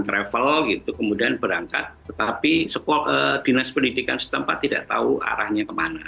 travel itu kemudian berangkat tetapi sepuluh dinas pendidikan setempat tidak tahu arahnya